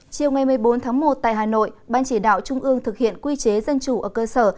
chiều ngày một mươi bốn tháng một tại hà nội ban chỉ đạo trung ương thực hiện quy chế dân chủ ở cơ sở